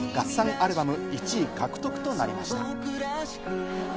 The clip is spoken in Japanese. アルバム１位獲得となりました。